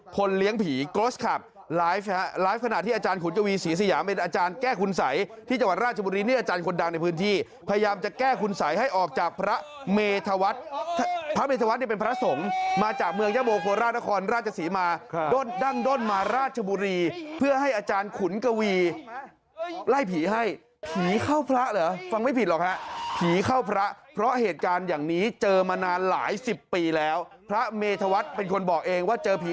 คนเลี้ยงผีโกรธคับไลฟ์ไฟล์ไฟล์ไฟล์ไฟล์ไฟล์ไฟล์ไฟล์ไฟล์ไฟล์ไฟล์ไฟล์ไฟล์ไฟล์ไฟล์ไฟล์ไฟล์ไฟล์ไฟล์ไฟล์ไฟล์ไฟล์ไฟล์ไฟล์ไฟล์ไฟล์ไฟล์ไฟล์ไฟล์ไฟล์ไฟล์ไฟล์ไฟล์ไฟล์